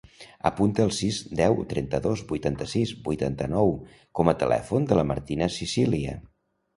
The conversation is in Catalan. Apunta el sis, deu, trenta-dos, vuitanta-sis, vuitanta-nou com a telèfon de la Martina Sicilia.